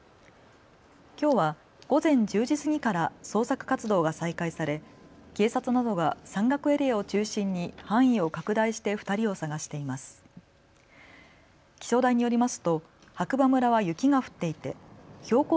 きょうは午前１０時過ぎから捜索活動が再開され、警察などが山岳エリアを中心に範囲を拡大して２人を捜しています。